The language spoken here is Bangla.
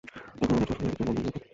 এখন আমরা সবসময় জন্য বন্ধু হয়ে থাকবো।